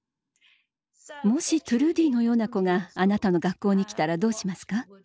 もしトゥルーディのような子があなたの学校に来たらどうしますか？